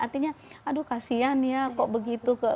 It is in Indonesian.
artinya aduh kasian ya kok begitu